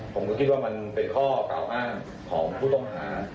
ผมก็คิดว่ามันเป็นข้อกล่าวอ้างของผู้ต้องหา